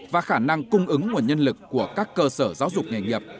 và khả năng cung ứng nguồn nhân lực của các cơ sở giáo dục nghề nghiệp